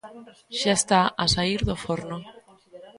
Xa está a saír do forno.